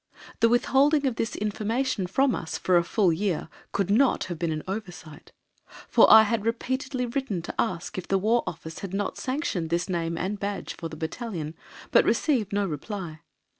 The withholding of this information from us for a full year could not have been an oversight, for I had repeatedly written to ask if the War Office had not sanctioned this name and badge for the Battalion, but received no reply.